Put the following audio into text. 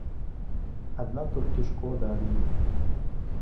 Адна толькі шкода ад іх.